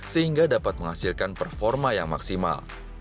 sehingga dapat menghasilkan performa yang maksimal